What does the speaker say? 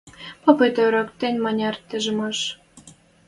Попы тӧрӧк: тӹнь маняр тӹжемеш